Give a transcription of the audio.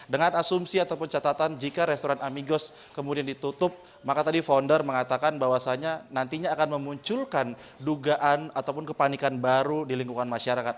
dengan asumsi ataupun catatan jika restoran amigos kemudian ditutup maka tadi founder mengatakan bahwasannya nantinya akan memunculkan dugaan ataupun kepanikan baru di lingkungan masyarakat